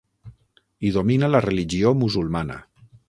Hi domina la religió musulmana.